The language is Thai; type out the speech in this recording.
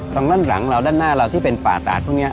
ทางด้านหลังเราด้านหน้าเราที่เป็นป่าตาดพวกนี้